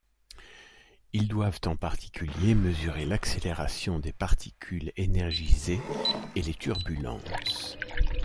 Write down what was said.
Ils doivent en particulier mesurer l'accélération des particules énergisées et les turbulences.